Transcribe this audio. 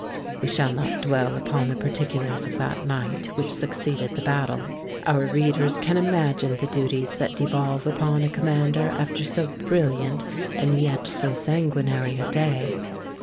We shall not dwell upon the particulars of that night which succeeded the battle. Our readers can imagine the duties that devolve upon a commander after so brilliant and yet so sanguinary a day.